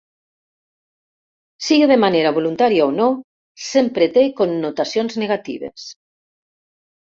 Sigui de manera voluntària o no, sempre té connotacions negatives.